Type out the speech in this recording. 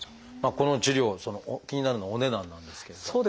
この治療気になるのはお値段なんですけれども。